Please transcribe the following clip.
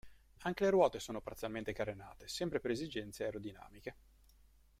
Anche le ruote sono parzialmente carenate, sempre per esigenze aerodinamiche.